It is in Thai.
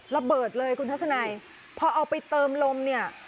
ระเบิดเลยคุณทัศนัยพอเอาไปเติมลมเนี่ย